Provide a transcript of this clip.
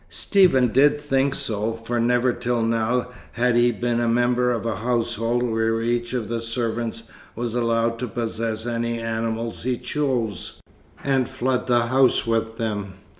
Stephen did think so, for never till now had he been a member of a household where each of the servants was allowed to possess any animals he chose, and flood the house with them.